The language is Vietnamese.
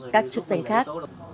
các chức danh khác